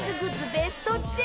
ベスト１０